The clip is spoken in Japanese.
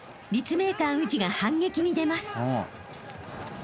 ［立命館宇治が反撃に出ます］